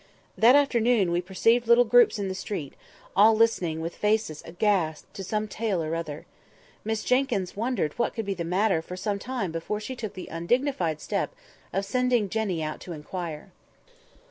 That afternoon we perceived little groups in the street, all listening with faces aghast to some tale or other. Miss Jenkyns wondered what could be the matter for some time before she took the undignified step of sending Jenny out to inquire.